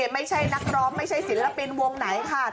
ไม่ใช่นักร้องไม่ใช่ศิลปินวงไหนค่ะ